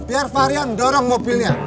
biar fahri yang dorong mobilnya